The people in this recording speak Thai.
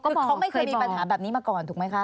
เขาไม่เคยมีปัญหาแบบนี้มาก่อนถูกไหมคะ